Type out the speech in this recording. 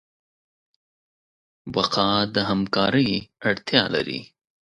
بقا د همکارۍ اړتیا لري.